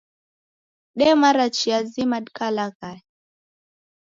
Demara chia zima dikalaghaya